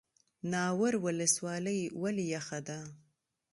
ناور ولسوالۍ ولې یخه ده؟